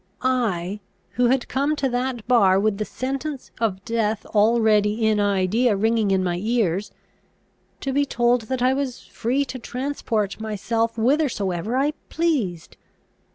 I, who had come to that bar with the sentence of death already in idea ringing in my ears, to be told that I was free to transport myself whithersoever I pleased!